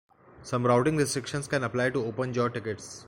Some routing restrictions can apply to open-jaw tickets.